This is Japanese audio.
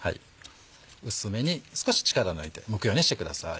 薄めに少し力抜いてむくようにしてください。